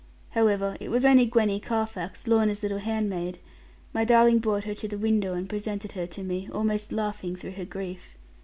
However, it was only Gwenny Carfax, Lorna's little handmaid: my darling brought her to the window and presented her to me, almost laughing through her grief.